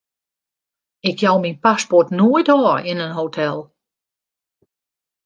Ik jou myn paspoart noait ôf yn in hotel.